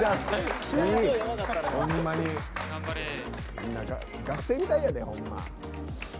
みんな学生みたいやで、ほんま。